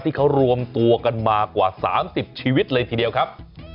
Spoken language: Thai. ที่เขารวมตัวกันมากว่า๓๐ชีวิตเลยทีเดียวครับ